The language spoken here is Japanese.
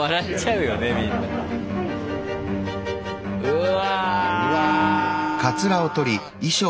うわ。